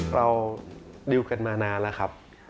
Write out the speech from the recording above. เราดิวกันมานานแล้วครับ